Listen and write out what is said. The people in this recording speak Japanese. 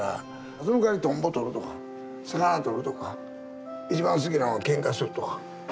そのかわりトンボ捕るとか魚取るとか一番好きなのはけんかするとか。